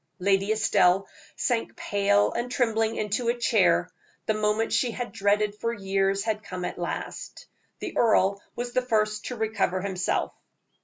Lady Estelle sank pale and trembling into a chair the moment she had dreaded for years had come at last. The earl was the first to recover himself.